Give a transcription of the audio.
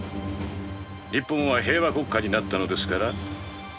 日本は平和国家になったのですから。